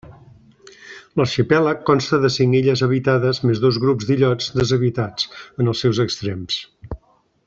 L'arxipèlag consta de cinc illes habitades més dos grups d'illots deshabitats en els seus extrems.